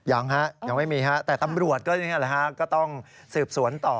ยังฮะยังไม่มีฮะแต่ตำรวจก็ต้องสืบสวนต่อ